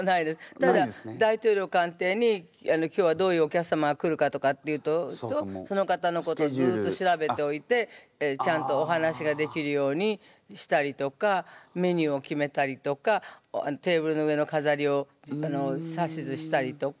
ただ大統領官邸に今日はどういうお客様が来るかとかっていうとその方のことをずっと調べておいてちゃんとお話ができるようにしたりとかメニューを決めたりとかテーブルの上のかざりを指図したりとか。